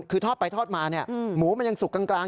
คือทอดไปทอดมาหมูมันยังสุกกลาง